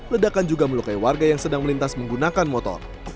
ledakan juga melukai warga yang sedang melintas menggunakan motor